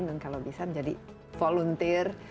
dan kalau bisa menjadi volunteer